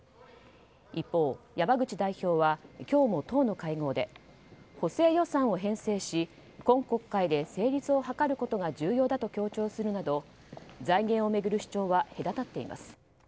一方、山口代表は今日も党の会合で補正予算を編成し今国会で成立を図ることが重要だと強調するなど財源を巡る主張は隔たっています。